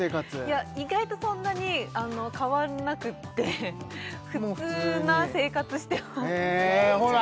いや意外とそんなに変わらなくって普通な生活してますへえほら